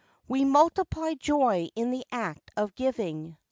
We multiply joy in the act of giving.